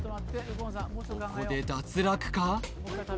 ここで脱落か？